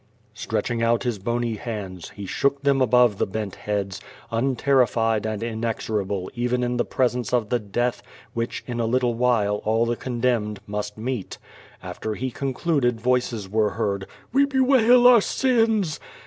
Stretching out his bony hands, he shook them above the bent heads, unterrified and inexorable even in the presence of the death, which in a little while all the condemned must meet. After he concluded voices were heard: "We bewail our sins!"